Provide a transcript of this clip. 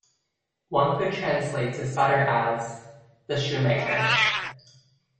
One could translate DeSutter as 'The Shoemaker'.